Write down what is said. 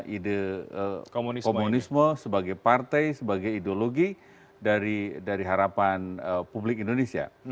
ide komunisme sebagai partai sebagai ideologi dari harapan publik indonesia